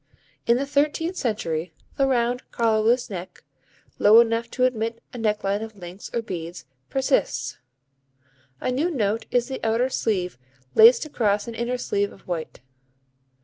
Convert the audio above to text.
In the thirteenth century the round collarless neck, low enough to admit a necklace of links or beads, persists. A new note is the outer sleeve laced across an inner sleeve of white.